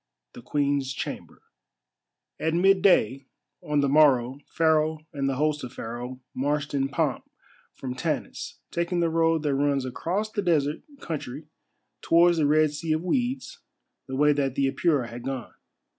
THE QUEEN'S CHAMBER At midday on the morrow Pharaoh and the host of Pharaoh marched in pomp from Tanis, taking the road that runs across the desert country towards the Red Sea of Weeds, the way that the Apura had gone.